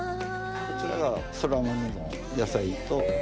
こちらがそらまめの野菜と。